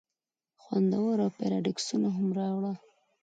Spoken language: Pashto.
خوندور اوپيراډیسکونه هم راوړه.